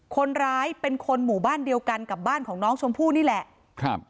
คนร้ายเป็นคนหมู่บ้านเดียวกันกับบ้านของน้องชมพู่นี่แหละครับ